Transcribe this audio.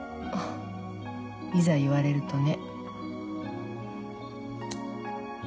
いざ言われるとね。